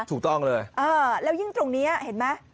ถูกต้องเลยแล้วยิ่งตรงนี้เห็นไหม